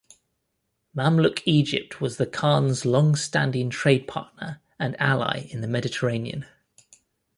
Mamluk Egypt was the Khans' long-standing trade partner and ally in the Mediterranean.